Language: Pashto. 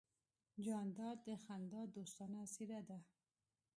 جانداد د خندا دوستانه څېرہ ده.